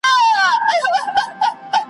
په تېره چاړه یې زه پرېکوم غاړه `